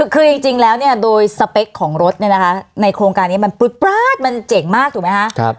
คือจริงแล้วโดยสเปคของรถในโครงการนี้มันปลุ๊ดปราดมันเจ๋งมากถูกมั้ยครับ